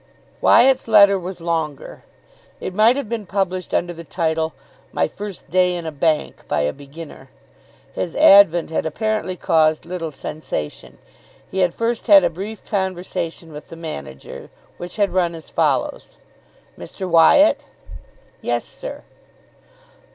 Wyatt's letter was longer. It might have been published under the title "My First Day in a Bank, by a Beginner." His advent had apparently caused little sensation. He had first had a brief conversation with the manager, which had run as follows: "Mr. Wyatt?" "Yes, sir."